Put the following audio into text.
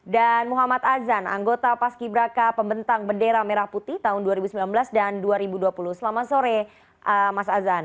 dan muhammad adzan anggota paski beraka pembentang bendera merah putih tahun dua ribu sembilan belas dan dua ribu dua puluh selamat sore mas adzan